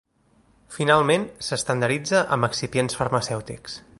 Finalment, s'estandarditza amb excipients farmacèutics.